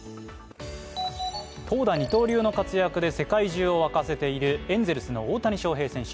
投打二刀流の活躍で世界中を沸かせているエンゼルスの大谷翔平選手。